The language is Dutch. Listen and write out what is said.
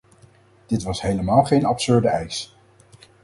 Dit was helemaal geen absurde eis.